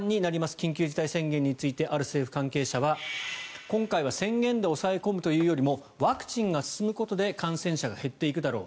緊急事態宣言についてある政府関係者は今回は宣言で抑え込むというよりもワクチンが進むことで感染者が減っていくだろう。